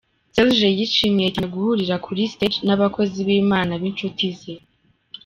Serge yishimiye cyane guhurira kuri stage n'abakozi b'Imana b'inshuti ze.